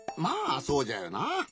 まあそうじゃよな。